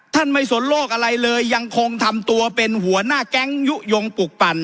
ไม่สนโลกอะไรเลยยังคงทำตัวเป็นหัวหน้าแก๊งยุโยงปลูกปั่น